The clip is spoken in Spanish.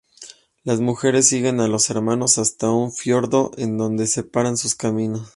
Las mujeres siguen a los hermanos hasta un fiordo en donde separan sus caminos.